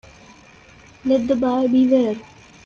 Let the buyer beware.